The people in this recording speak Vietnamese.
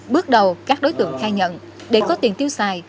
bước đầu các đối tượng khai nhận để có tiền tiêu xài